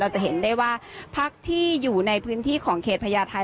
จะเห็นได้ว่าพักที่อยู่ในพื้นที่ของเขตพญาไทย